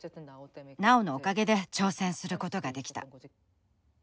ナオのおかげで挑戦することができた。